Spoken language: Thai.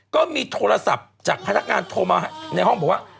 ก็มีโทรศัพท์จากพนักงานโทรมาในห้องบอกว่า